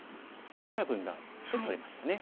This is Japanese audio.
これは分断して取れましたね。